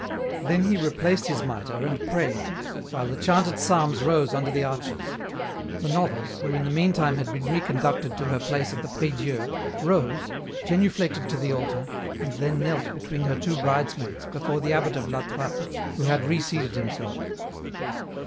Then he replaced his mitre, and prayed, while the chanted psalms rose under the arches. The novice, who in the meantime had been reconducted to her place at the prie Dieu, rose, genuflected to the altar, and then knelt between her two bridesmaids before the abbot of La Trappe, who had reseated himself.